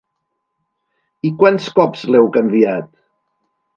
I quants cops l’heu canviat?